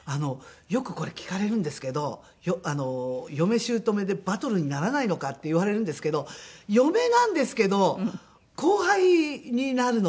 よくこれ聞かれるんですけど嫁姑でバトルにならないのか？って言われるんですけど嫁なんですけど後輩になるので。